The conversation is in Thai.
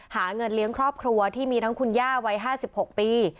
หาเงินเลี้ยงครอบครัวที่มีทั้งคุณย่าวัย๕๖ปี